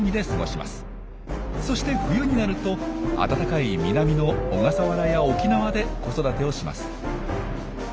そして冬になると暖かい南の小笠原や沖縄で子育てをします。